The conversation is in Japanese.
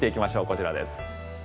こちらです。